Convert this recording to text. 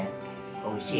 おいしい。